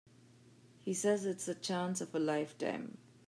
He says it's the chance of a lifetime.